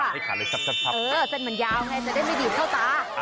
ค่ะเออเส้นเหมือนยาวไงจะได้ไม่ดีดเข้าตา